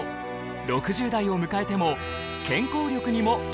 ６０代を迎えても。